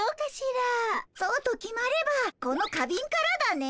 そうと決まればこの花びんからだね。